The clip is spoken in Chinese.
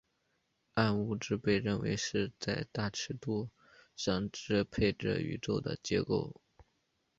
暗物质被认为是在大尺度上支配着宇宙的结构。